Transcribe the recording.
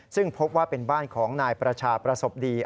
ซึ่งพบว่าเป็นบ้านของนายประชาประสบดี